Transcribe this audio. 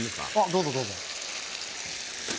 どうぞどうぞ。